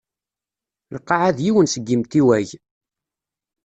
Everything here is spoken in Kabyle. Lqaεa d yiwen seg imtiwag.